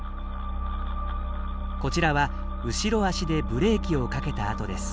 こちらは後ろ足でブレーキをかけた跡です。